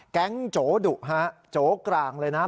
แก๊งโจดุฮะโจกร่างเลยนะ